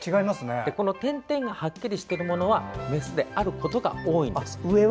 この点々がはっきりしているものはメスであることが多いです。